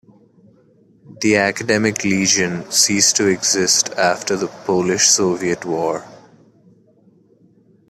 The Academic Legion ceased to exist after the Polish-Soviet War.